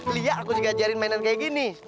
lihat aku juga ajarin mainan kayak gini